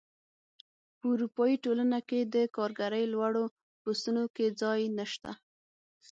په اروپايي ټولنه کې د کارګرۍ لوړو پوستونو کې ځای نشته.